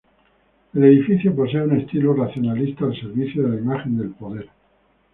El edificio posee un estilo racionalista al servicio de la imagen del poder.